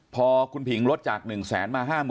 พอคุณผิงลดจาก๑แสนมา๕๐๐๐